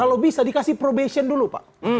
kalau bisa dikasih probation dulu pak